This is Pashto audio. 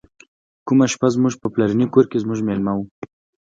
کومه شپه زموږ په پلرني کور کې زموږ میلمه و.